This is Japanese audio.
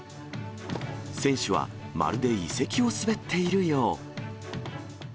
選手は、まるで遺跡を滑っているよう。